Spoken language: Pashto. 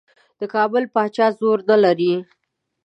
د کابل پاچا زور نه لري.